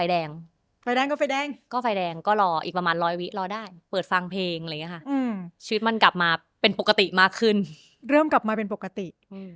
แล้วแบบโทษว่าเราเป็นคนที่โชคล้ายที่สุดบนโลกใบนี้